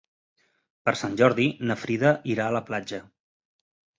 Per Sant Jordi na Frida irà a la platja.